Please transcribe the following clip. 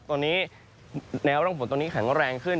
ตอนนี้แนวร่องฝนตอนนี้แข็งแรงขึ้น